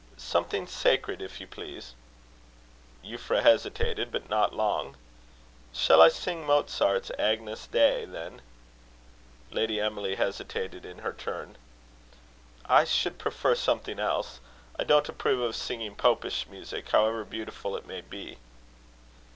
"Something sacred, if you please." Euphra hesitated, but not long. "Shall I sing Mozart's Agnus Dei, then?" Lady Emily hesitated in her turn. "I should prefer something else. I don't approve of singing popish music, however beautiful it may be."